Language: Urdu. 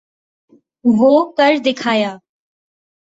وہ کر دکھایا۔